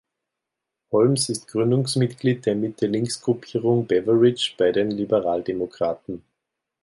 Holmes ist Gründungsmitglied der Mitte-Links-Gruppierung Beveridge bei den Liberaldemokraten.